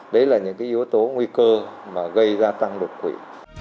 đấy là những cái yếu tố nguy cơ mà gây ra tăng độc quỷ